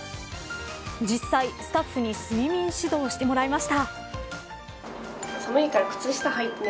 実際、スタッフに睡眠指導をしてもらいました。